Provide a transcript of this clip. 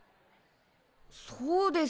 そうですか。